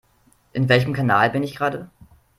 In welchem Kanal bin ich gerade?